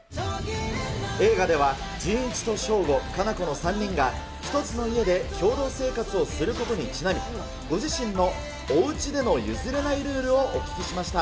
映画では、仁一と翔吾、佳菜子の３人が、１つの家で共同生活をすることにちなみ、ご自身のおうちでの譲れないルールをお聞きしました。